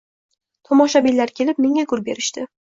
Tomoshabinlar kelib, menga gul berishdi.